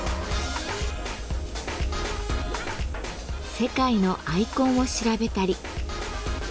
世界のアイコンを調べたり。